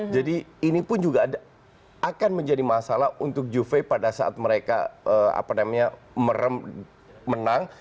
jadi ini pun juga akan menjadi masalah untuk juve pada saat mereka menang